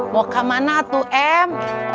buka mana tuh em